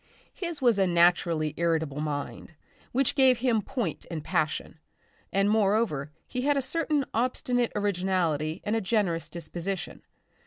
His was a naturally irritable mind, which gave him point and passion; and moreover he had a certain obstinate originality and a generous disposition.